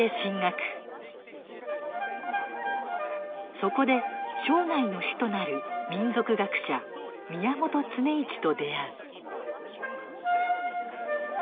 そこで生涯の師となる民俗学者・宮本常一と出会う。